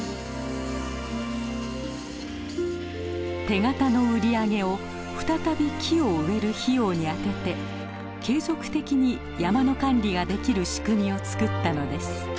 手形の売り上げを再び木を植える費用に充てて継続的に山の管理ができる仕組みを作ったのです。